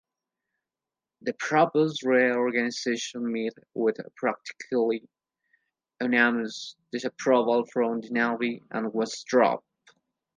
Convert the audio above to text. The proposed reorganization met with practically unanimous disapproval from the Navy and was dropped.